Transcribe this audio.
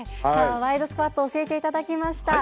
ワイドスクワットを教えていただきました。